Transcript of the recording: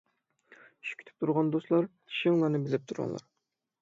ئىش كۈتۈپ تۇرغان دوستلار، چىشىڭلارنى بىلەپ تۇرۇڭلار.